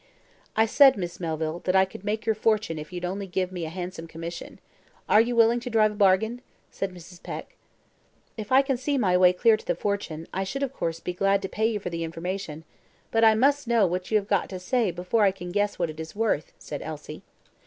"I said, Miss Melville, that I could make your fortune if you'd only give me a handsome commission. Are you willing to drive a bargain?" said Mrs. Peck. "If I can see my way clear to the fortune, I should, of course, be glad to pay you for the information; but I must know what you have got to say before I can guess what it is worth," said Elsie.